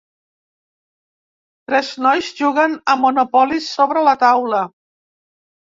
Tres nois juguen a Monopoly sobre la taula.